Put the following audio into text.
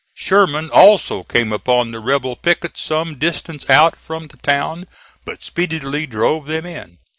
Sherman also came upon the rebel pickets some distance out from the town, but speedily drove them in.